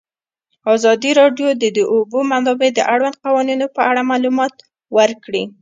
ازادي راډیو د د اوبو منابع د اړونده قوانینو په اړه معلومات ورکړي.